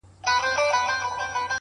پر دې متل باندي څه شك پيدا سو؛